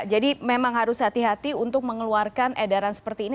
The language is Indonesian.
jadi memang harus hati hati untuk mengeluarkan edaran seperti ini